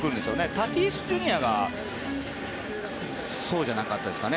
タティスＪｒ．がそうじゃなかったですかね。